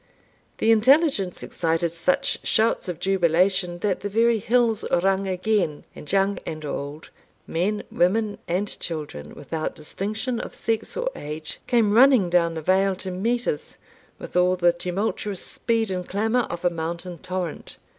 The intelligence excited such shouts of jubilation, that the very hills rung again, and young and old, men, women, and children, without distinction of sex or age, came running down the vale to meet us, with all the tumultuous speed and clamour of a mountain torrent.